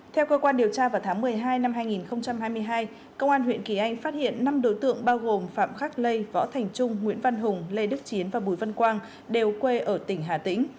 theo cơ quan điều tra vào tháng một mươi hai năm hai nghìn hai mươi hai công an huyện kỳ anh phát hiện năm đối tượng bao gồm phạm khắc lê võ thành trung nguyễn văn hùng lê đức chiến và bùi văn quang đều quê ở tỉnh hà tĩnh